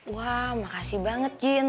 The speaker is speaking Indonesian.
wah makasih banget jin